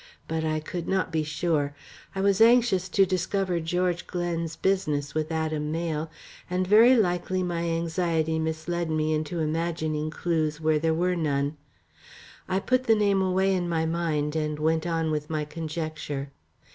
But I could not be sure. I was anxious to discover George Glen's business with Adam Mayle, and very likely my anxiety misled me into imagining clues where there were none. I put the name away in my mind and went on with my conjecture.